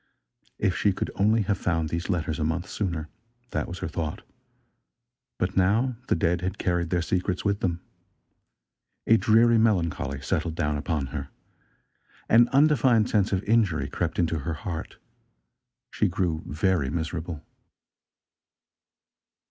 If she could only have found these letters a month sooner! That was her thought. But now the dead had carried their secrets with them. A dreary, melancholy settled down upon her. An undefined sense of injury crept into her heart. She grew very miserable.